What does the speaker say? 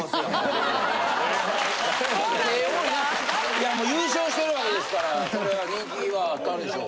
いやもう優勝してるわけですからこれは人気はあったんでしょう。